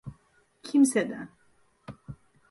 Kimseden…